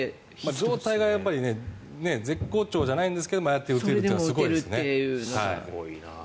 状態が絶好調じゃないんですけどああやって打てるのはすごいですね。